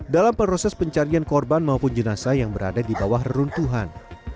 dalam proses pencarian korban maupun jenazah yang berada di bawah runtuhan